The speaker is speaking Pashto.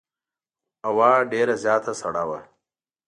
هوا ډېره زیاته سړه وه.